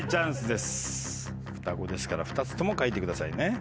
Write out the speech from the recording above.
双子ですから２つとも書いてくださいね。